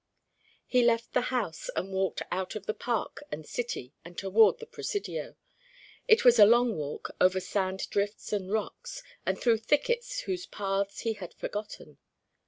He left the house, and walked out of the park and city, and toward the Presidio. It was a long walk, over sand drifts and rocks, and through thickets whose paths he had forgotten.